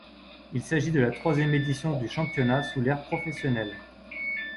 Il s'agit de la troisième édition du championnat sous l'ère professionnelle.